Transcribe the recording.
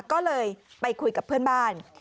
ก็เลยไปคุยกับเพื่อนบ้าน